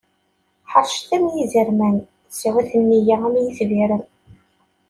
Ḥeṛcet am izerman, sɛut nneyya am yetbiren.